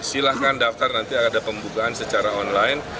silahkan daftar nanti ada pembukaan secara online